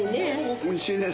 おいしいね。